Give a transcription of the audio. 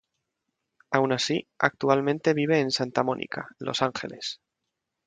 Aun así, actualmente vive en Santa Mónica, Los Ángeles.